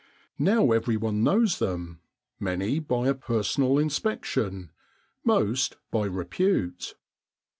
Now everyone knows them, many by a personal inspection, most by repute.